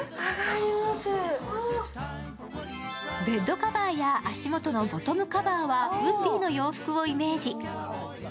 ベッドカバーや足元のボトムカバーはウッディの洋服をイメージ。